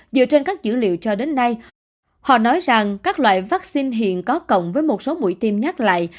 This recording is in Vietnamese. dựa trên các dữ liệu cho đến nay họ nói rằng các loại vaccine hiện có cộng với một số mũi tiêm nhắc lại